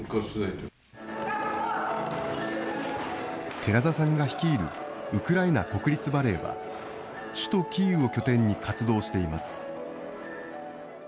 寺田さんが率いるウクライナ国立バレエは、首都キーウを拠点に活動しています。